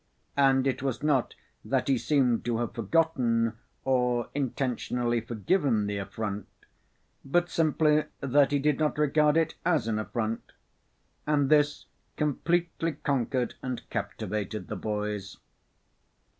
And it was not that he seemed to have forgotten or intentionally forgiven the affront, but simply that he did not regard it as an affront, and this completely conquered and captivated the boys.